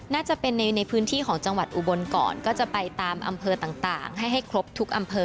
น่าจะเป็นในพื้นที่ของจังหวัดอุบลก่อนก็จะไปตามอำเภอต่างให้ให้ครบทุกอำเภอ